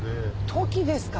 トキですか。